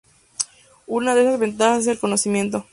Una de estas ventajas es el conocimiento.